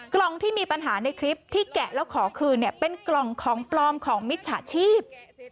กล่องที่มีปัญหาในคลิปที่แกะแล้วขอคืนเนี่ยเป็นกล่องของปลอมของมิจฉาชีพ